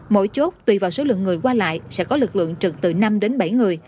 mỗi chốt tùy vào số lượng người qua lại sẽ có lực lượng trực từ năm đến bảy người